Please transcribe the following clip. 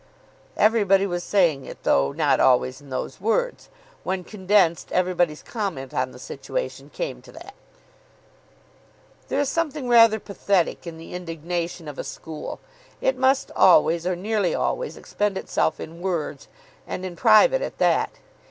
Everybody was saying it, though not always in those words. When condensed, everybody's comment on the situation came to that. There is something rather pathetic in the indignation of a school. It must always, or nearly always, expend itself in words, and in private at that.